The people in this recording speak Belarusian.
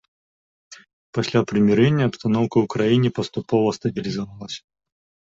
Пасля прымірэння абстаноўка ў краіне паступова стабілізавалася.